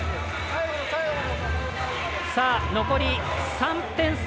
残り３点差。